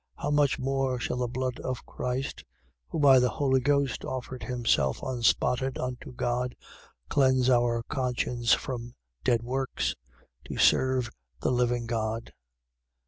How much more shall the blood of Christ, who by the Holy Ghost offered himself unspotted unto God, cleanse our conscience from dead works, to serve the living God?